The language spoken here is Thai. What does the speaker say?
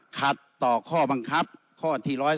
ขาดต่อข้อบังคับข้อที่๑๓๐นะครับ